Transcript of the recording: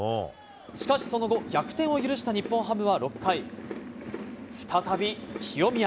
しかし、その後、逆転を許した日本ハムは６回、再び清宮。